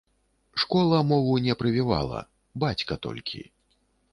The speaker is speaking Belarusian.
Школа мову не прывівала, бацька толькі.